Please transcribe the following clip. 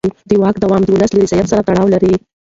د واک دوام د ولس له رضایت سره تړاو لري